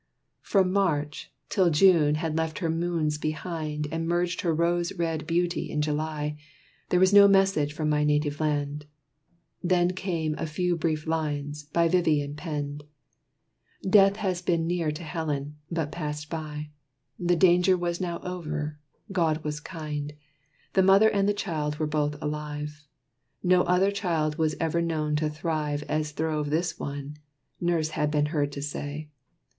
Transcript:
From March till June had left her moons behind, And merged her rose red beauty in July, There was no message from my native land. Then came a few brief lines, by Vivian penned: Death had been near to Helen, but passed by; The danger was now over. God was kind; The mother and the child were both alive; No other child was ever known to thrive As throve this one, nurse had been heard to say.